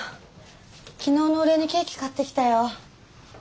昨日のお礼にケーキ買ってきたよ。